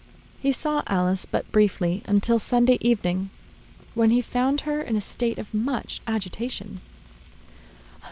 He saw Alice but briefly until Sunday evening, when he found her in a state of much agitation.